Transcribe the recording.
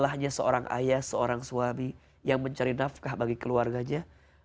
salahnya seorang ayah seorang suami yang mencari nafkah bagi keluarganya